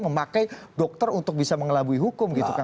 memakai dokter untuk bisa mengelabui hukum gitu kan